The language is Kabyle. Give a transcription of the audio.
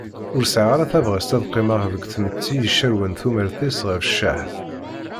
Ur sɛiɣ ara tabɣest ad qqimeɣ deg tmetti icerwen tumert-iw ɣef cceḥ.